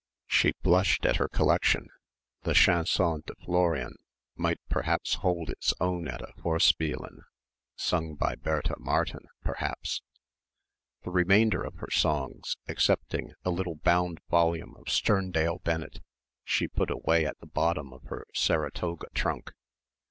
She blushed at her collection. The "Chanson de Florian" might perhaps hold its own at a Vorspielen sung by Bertha Martin perhaps.... The remainder of her songs, excepting a little bound volume of Sterndale Bennett, she put away at the bottom of her Saratoga trunk.